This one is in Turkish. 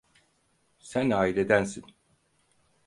Sen ailedensin.